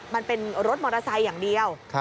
มันเป็นรถมอเตอร์ไซค์อย่างเดียว